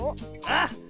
あっ！